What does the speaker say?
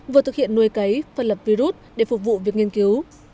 vừa thực hiện nuôi cấy phân lập virus để phục vụ việc nghiên cứu